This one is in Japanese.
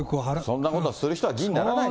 そんなことする人は議員にならないと。